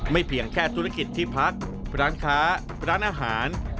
เพียงแค่ธุรกิจที่พักร้านค้าร้านอาหาร